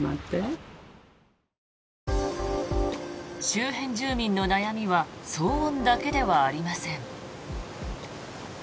周辺住民の悩みは騒音だけではありません。